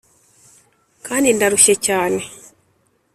kandi ndarushye cyane